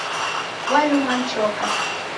Walumwa ni choka